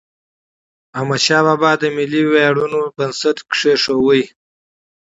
احمدشاه بابا د ملي ویاړونو بنسټ کېښود.